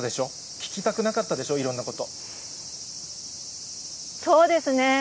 聞きたくなかったでしょ、いろんなこと。